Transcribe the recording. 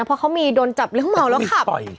เพราะเขามีโดนจับเรื่องเมาแล้วขับ